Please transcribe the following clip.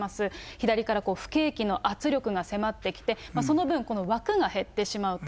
左から不景気の圧力が迫ってきて、その分この枠が減ってしまうと。